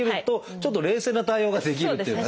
ちょっと冷静な対応ができるっていうかね